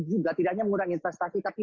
juga tidak hanya mengurangi investasi tapi